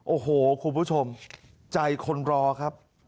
โอ้โหคุณผู้ชมใจคนรอครับ